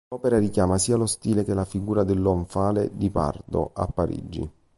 L'opera richiama sia lo stile che la figura dell'Onfale di Pardo a Parigi.